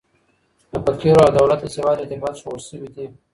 د فقرو او دولت د زوال ارتباط ښوول سوي دي.